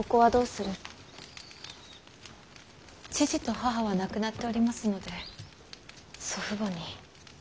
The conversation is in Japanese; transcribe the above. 父と母は亡くなっておりますので祖父母に。